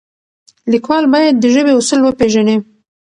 لیکوال باید د ژبې اصول وپیژني.